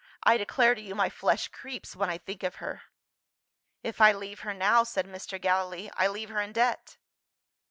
I declare to you, my flesh creeps when I think of her." "If I leave her now," said Mr. Gallilee, "I leave her in debt."